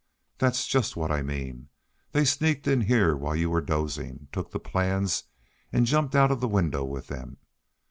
"That's just what I mean! They sneaked in here while you were dozing, took the plans, and jumped out of the window with them.